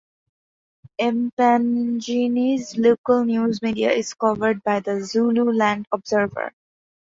Empangeni's local news media is covered by "The Zululand Observer".